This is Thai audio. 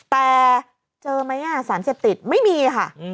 แต่เจอไหมสารเสพติดไม่มีค่ะ